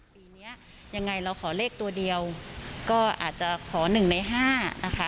ปีนี้ยังไงเราขอเลขตัวเดียวก็อาจจะขอ๑ใน๕นะคะ